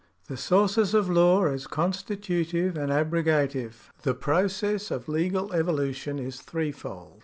The Sources of Law as Constitutive and Abrogative. The process of legal evolution is threefold.